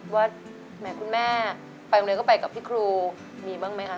ว่าแหมคุณแม่ไปโรงเรียนก็ไปกับพี่ครูมีบ้างไหมคะ